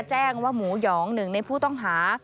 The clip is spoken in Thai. แจ้งว่าหมูหยองหนึ่งในผู้ต้องหา